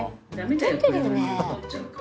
「太ってるよね」